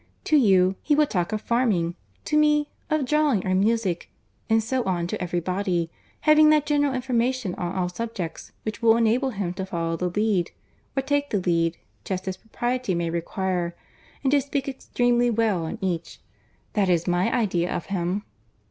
To you, he will talk of farming; to me, of drawing or music; and so on to every body, having that general information on all subjects which will enable him to follow the lead, or take the lead, just as propriety may require, and to speak extremely well on each; that is my idea of him."